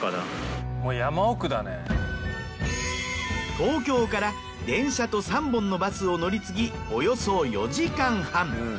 東京から電車と３本のバスを乗り継ぎおよそ４時間半。